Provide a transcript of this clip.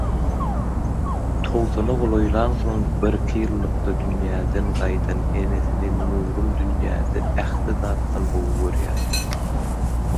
Togsana golaýlansoň, bir-iki ýyllykda dünýeden gaýdan enesini Nurum dünýede ähli zatdan gowy görýärdi